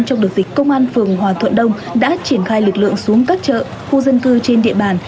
trong đợt dịch công an phường hòa thuận đông đã triển khai lực lượng xuống các chợ khu dân cư trên địa bàn